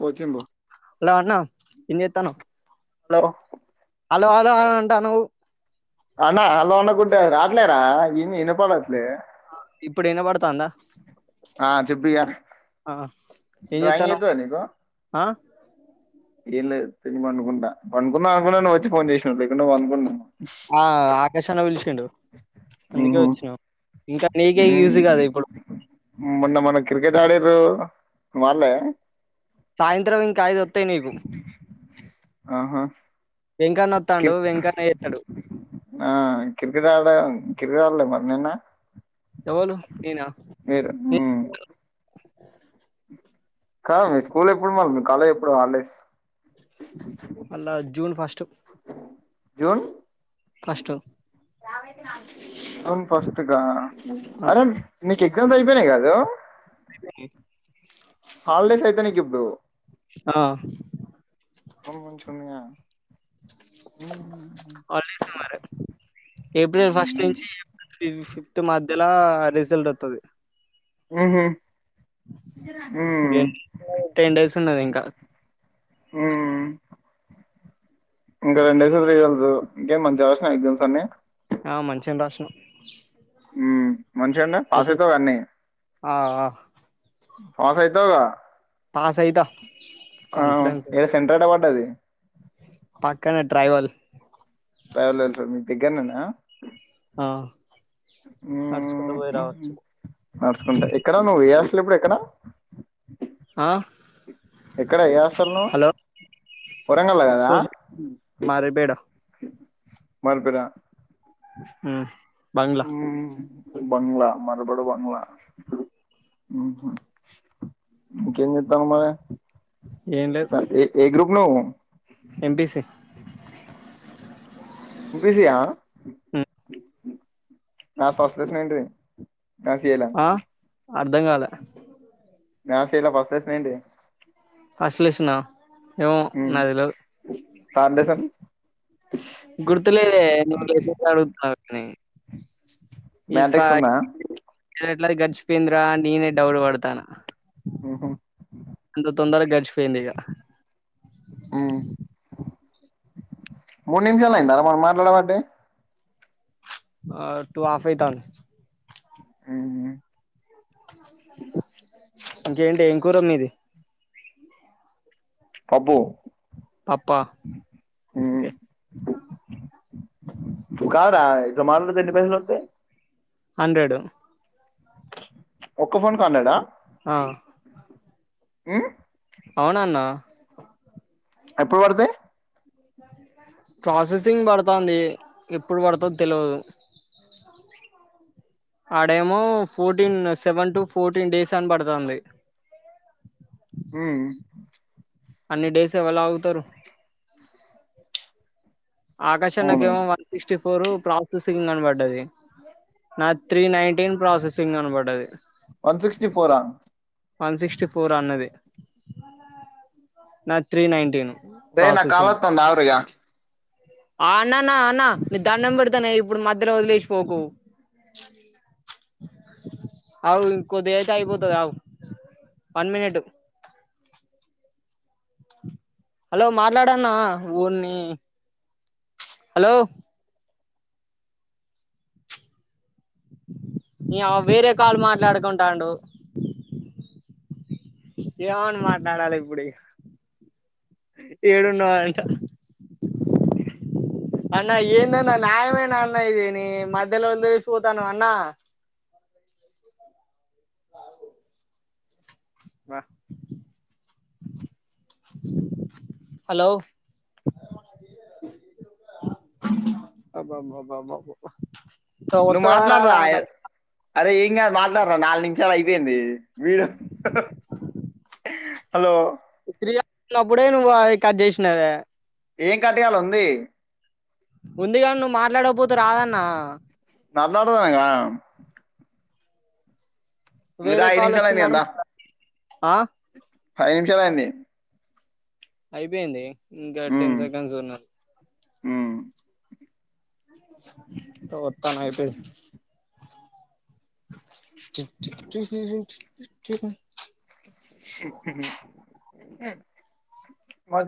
పోచింబు hello అన్నా తినేత్తాను hello hello hello అని అంటా నువ్వు అన్నా హలో అనకుంటే రాట్లేరా ఇని ఇనపడదు ఇప్పుడు వినబడుతాందా ఆ చెప్పు భయ్య ఆ ఏం డ్రాయింగ్ చేత్తన్నావ్ ఎత్తద నీకు ఆ ఏం లేదు తిని పండుకుంటా పనుకుందామ నుకున్నా నువ్వు వచ్చి ఫోన్ చేసినవ్ లేకుంటే పనుకుంటను ఆ ఆకాషన్న పిలిచిండు అందుకే ఉహు వచ్చినా ఇంకా నీకే యూజ్ కాదు ఇప్పుడు మొన్న మనం క్రికెట్ ఆడిర్రు వాళ్ళే సాయంత్రం ఇంకా ఐదు వత్తయి నీకు ఆఫ వెంకన్న క్రి వత్తాండు వెంకన్న చేత్తడు ఆ క్రికెట్ ఆడ క్రికెట్ ఆడలే మరి నిన్న ఎవరు నేనా మీరు ఉమ్ కాదు మీ స్కూల్ ఎప్పుడు మళ్ళ కాలేజ్ ఎప్పుడు హాలిడేస్ అళ June first June first June first కా ఆ అరే ఎగ్జామ్స్ అయిపోయినయి కాదు [inaudible] హాలిడేస్ అయితే నీకు ఇప్పుడు ఆ మంచిగుందిగా ఉహు హాలిడేస్ మరి ఏప్రిల్ ఫస్ట్ నుంచి ఏప్రిల్ ఫిఫ్త్ మధ్యలో రిజల్ట్ వత్తది ఊహూ హ్మ్ ఇంకే టెన్ డేస్ ఉన్నది ఇంకా మ్మ్ ఇంకా రెండు డేస్ లో రిజల్ట్స్ ఇంకే మంచి చసిన [unintelligible] మంచిగానే రాసిన మనిష్ అన్న పాస్ అయితవ అన్నీ ఆ పాస్ అయితవుగా పాస్ అయిత కాన్ఫిడెన్స్ ఈడ వ సెంటర్ ఏడ పడ్డది పక్కనే ట్రెవల్ ట్రావెలర్స్ మీకు దగ్గరనేనా ఆ నడుచుకుంటూ ఉమ్ పోయి రావచ్చు నడుచుకుంటా ఎక్కడ నువ్వు ఏ ఇప్పుడు ఎక్కడా ఆ ఇక్కడ ఏ హాస్టల్ నువ్వు హలో వరంగల్లో కదా సోషల్ మారిపేడ మార్పూ ఇరా ఆమ్ బంగ్లా బంగ్లా మరబడు బంగ్లా ఇంకేం చెత్తాన్నావ్ మరి ఏం లేవు స- ఏ ఏ ఎంపిసి ఎంపిసి ఆ ఉమ్ మ్యాథ్స్ ఫస్ట్ క్యూస్షన్ ఏంటి అ ఆ చేయలా అర్ధం కాలా మ్యాథ్స్ ఏ లా ఫస్ట్ క్యూస్షన్ ఏంటి ఆసిలియేషన్ ఆ ఉమ్ కాన్డెషన్ గుర్తులేదే నువ్వు గుచ్చి గుచ్చి అడుగుతున్నావు అని ఇన్ మ్యాట్రిక్స్ ఉందా ఫాక్ట్ ఎట్లా గడిచిపోయింద్రా నేనే డౌట్ పడతానా ఉహు ఎంత తొందరగా గ పోయిందిక ఆ మూడు నిమిషాలు అయియందారా మన మాట్లాడమంటే ఆ టూ అస్ ఐతాన్ ఆమ్ ఇంకేంటి ఏం కూర మీది పప్పు పప్పా ఉమ్ ఒకే ఆ ఇట్ల మాట్లాడితే ఎన్ని పైసలోతాయి హండ్రెడు ఒక్క ఫోన్ కు హండ్రెడ్ ఆ ఆ మ్ అవునాన్న ఎప్పుడు పడుతై ప్రాసెసింగ్ పడుతంది ఎప్పుడు పడుతదిో తెలువదు ఆడేమో fourteen seven to fourteen days అని పడుతంది మ్ అన్ని డేస్ ఇవాళగుతరు ఆకాష్ అవును అన్నకేమో one sixty four processing అని పడ్డది నా త్రీ నైన్టీన్ ప్రాసెసింగ్ అని పడ్డది వన్ సిక్స్టీ ఫోరా వన్ సిక్స్టీ ఫోర్ అన్నది నాది త్రీ నైన్టీను రే నాక్ కాలోతంది అగుర ఇగ ఆ అన్నాన్న అన్న ని దండం పెడతానే ఇప్పుడు మధ్యలో వదిలేసి పోకు అవు ఇంకొద్దిగ అయితే అయిపోతది అగు వన్ మినిట్ హలో మాట్లాడాన్న ఓర్నీ హలో నియ్యవా వేరే కాల్ మాట్లాడుకుంటాండు ఏమని మాట్లాడాలే ఇప్పుడు ఏడున్నావు అంట అన్నా ఏందన్నా న్యాయమేనా అన్న ఇది ని మధ్యలోదిలేషి పోతానవ్ అన్నా హలో అబ్బబ్బబ్బబ్బ నువ్ మాట్లాడ్రా అరే ఎం కదు మాట్లాడు రా నాలుగు నిమిష లు అయిపోయింది వీడు హలో నప్పుడే నువ్వు ఆ కట్ చేసినవే ఏం కట్ గాలే ఉంది ఉందిగాన్ నువ్వు మాట్లాడకపోతే రాదన్న మాట్లాడుతనగ ఇగ దా వేరే ఐదు కాల్ నిమిషాలయింది గాని వచ్చిందని దా ఆ పది నిమిషాలయింది అయిపోయింది ఇంకా టెన్ ఉమ్, సేకంస్ ఉన్నా ఉమ్. ఒత్తాన అయిపో చెక మద్య